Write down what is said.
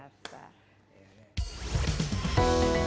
mbak desi nyanyi